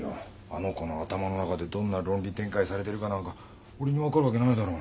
あの子の頭の中でどんな論理展開されてるかなんか俺に分かるわけないだろ。